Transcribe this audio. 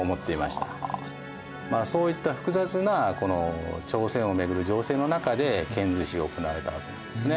そういった複雑な朝鮮を巡る情勢の中で遣隋使が行われたわけなんですね。